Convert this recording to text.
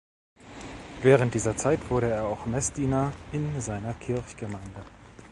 Während dieser Zeit wurde er auch Messdiener in seiner Kirchgemeinde.